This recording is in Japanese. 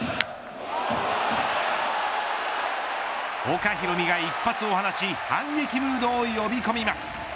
岡大海が一発を放ち反撃ムードを呼び込みます。